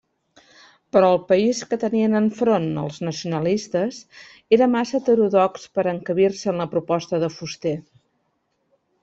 Però el país que tenien enfront els nacionalistes era massa heterodox per a encabir-se en la proposta de Fuster.